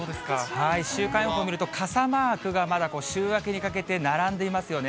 週間予報見ると、傘マークがまだ週明けにかけて並んでいますよね。